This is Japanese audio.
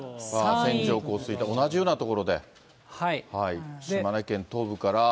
線状降水帯、同じような所で、島根県東部から。